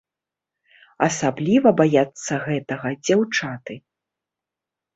Асабліва баяцца гэтага дзяўчаты.